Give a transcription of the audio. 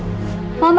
mau kemana mau kemana